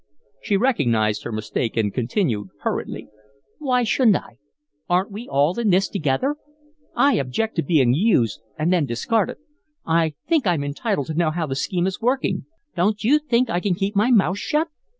She recognized her mistake and continued, hurriedly: "Why shouldn't I? Aren't we all in this together? I object to being used and then discarded. I think I'm entitled to know how the scheme is working. Don't you think I can keep my mouth shut?"